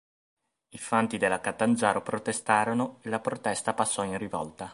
I fanti della Catanzaro protestarono e la protesta passò in rivolta.